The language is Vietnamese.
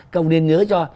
câu nên nhớ cho